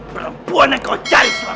perempuan yang kau cari selama ini